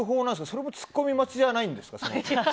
それもツッコミ待ちじゃないんですか？